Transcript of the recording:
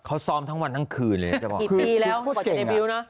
เขาซ้อมทั้งวันทั้งคืนเลยจะบอกว่าคุณพูดเก่งอ่ะกี่ปีแล้วก่อนเจนเตนวิวน่ะ